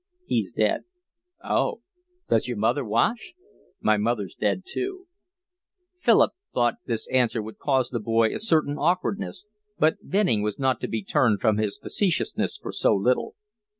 "He's dead." "Oh! Does your mother wash?" "My mother's dead, too." Philip thought this answer would cause the boy a certain awkwardness, but Venning was not to be turned from his facetiousness for so little.